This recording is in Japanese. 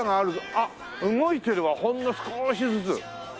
あっ動いてるわほんの少しずつ。